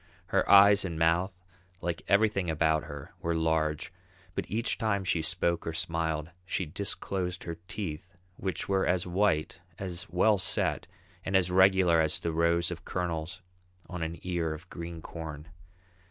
Her eyes and mouth, like everything about her, were large, but each time she spoke or smiled, she disclosed her teeth, which were as white, as well set, and as regular as the rows of kernels on an ear of green corn.